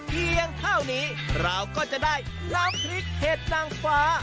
เพียงเท่านี้เราก็จะได้น้ำพริกเห็ดนางฟ้า